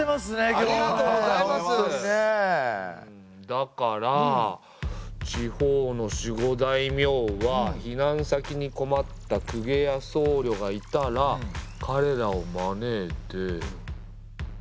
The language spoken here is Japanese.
だから地方の守護大名は避難先に困った公家や僧侶がいたらかれらを招いて。